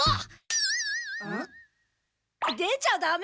出ちゃダメ！